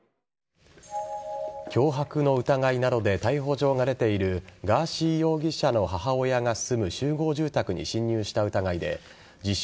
脅迫の疑いなどで逮捕状が出ているガーシー容疑者の母親が住む集合住宅に侵入した疑いで自称